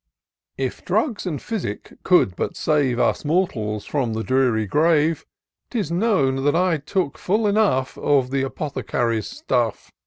" K drugs and physic could but save Us mortals from the dreary grave, 'Tis known that I took full enough Of the apothecary's stuff.